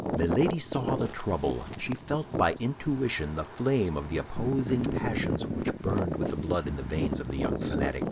Milady saw the trouble. She felt by intuition the flame of the opposing passions which burned with the blood in the veins of the young fanatic.